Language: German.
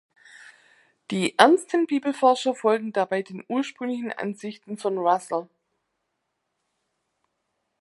Die Ernsten Bibelforscher folgen dabei den ursprünglichen Ansichten von Russell.